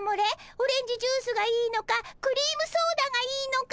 オレンジジュースがいいのかクリームソーダがいいのか。